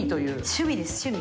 趣味です趣味。